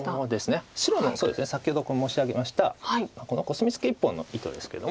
白のそうですね先ほど申し上げましたこのコスミツケ１本の意図ですけども。